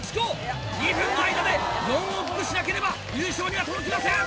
２分の間で４往復しなければ優勝には届きません！